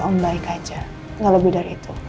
om baik aja enggak lebih dari itu